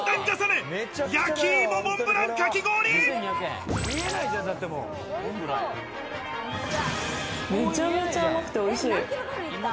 めちゃめちゃ甘くておいしい！